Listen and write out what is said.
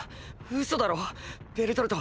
嘘だろベルトルト？